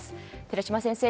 寺嶋先生